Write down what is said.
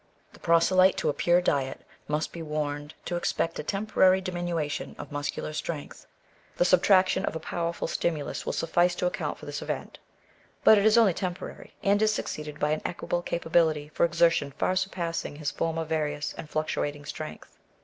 The proselyte to a pure diet must be warned to expect a temporary diminution of muscular strength. The subtrac tion of a powe^l stimulus will suffice to account for this event. But it is only temporary, and is succeeded by an equable capability for exertion far surpassing his former various andHuctuating strength.